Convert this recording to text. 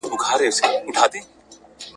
کله به بیرته کلي ته راسي ,